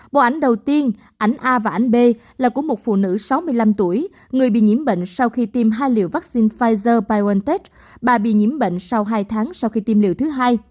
bộ ảnh đầu tiên ảnh a và ảnh b là của một phụ nữ sáu mươi năm tuổi người bị nhiễm bệnh sau khi tiêm hai liều vaccine pfizer biontech bà bị nhiễm bệnh sau hai tháng sau khi tiêm liều thứ hai